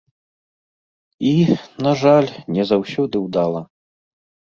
І, на жаль, не заўсёды ўдала.